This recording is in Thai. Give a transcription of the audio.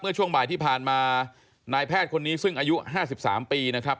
ช่วงบ่ายที่ผ่านมานายแพทย์คนนี้ซึ่งอายุ๕๓ปีนะครับ